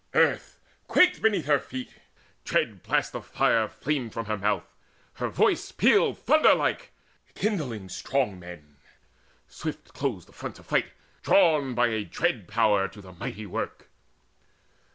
Earth quaked beneath her feet: dread blasts of fire Flamed from her mouth: her voice pealed thunder like Kindling strong men. Swift closed the fronts of fight Drawn by a dread Power to the mighty work.